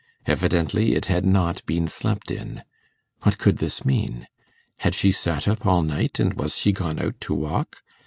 Evidently it had not been slept in. What could this mean? Had she sat up all night, and was she gone out to walk?